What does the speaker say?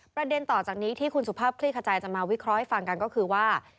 ประเด็นต่อจากนี้ที่คุณสุภาพคลี่ขจายจะมาวิเคราะห์ให้ฟังกันก็คือว่า